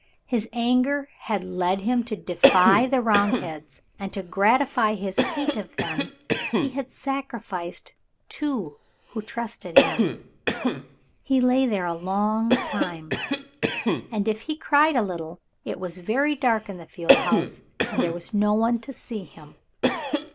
His anger had led him to defy the Roundheads, and to gratify his hate of them he had sacrificed those two who trusted him. He lay there a long time, and if he cried a little it was very dark in the fuel house, and there was no one to see him.